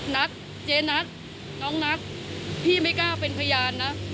นัทเจ๊นัทน้องนัทพี่ไม่กล้าเป็นพยานนะ